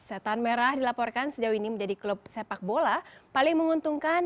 setan merah dilaporkan sejauh ini menjadi klub sepak bola paling menguntungkan